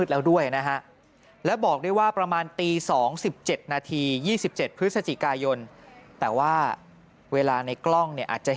หลังจากพบศพผู้หญิงปริศนาตายตรงนี้ครับ